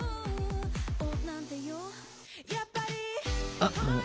ああもう。